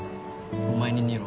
お前に似ろ。